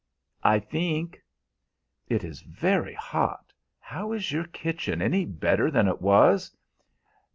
"I think." "It is very hot. How is your kitchen any better than it was?"